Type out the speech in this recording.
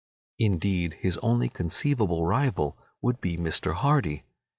Indeed, his only conceivable rival would be Mr. Hardy.